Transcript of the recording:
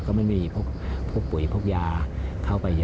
ก็ไม่มีพวกปุ๋ยพวกยาเข้าไปเยอะ